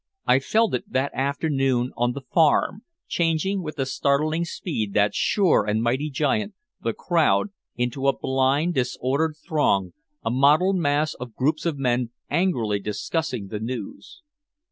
I felt it that afternoon on the Farm, changing with a startling speed that sure and mighty giant, the crowd, into a blind disordered throng, a mottled mass of groups of men angrily discussing the news.